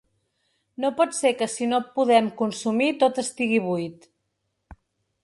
No pot ser que si no podem consumir tot estigui buit.